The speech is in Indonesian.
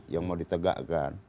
yang mau ditegakkan